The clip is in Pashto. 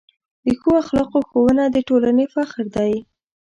د ښو اخلاقو ښوونه د ټولنې فخر دی.